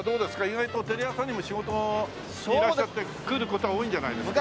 意外とテレ朝にも仕事にいらっしゃって来る事は多いんじゃないですか？